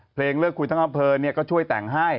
เพลงเลิกคุยทั้งความเพลินเนี่ยก็ช่วยแต่งให้